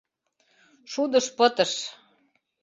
— Шудыш пытыш!